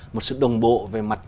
một sự đồng bộ về mặt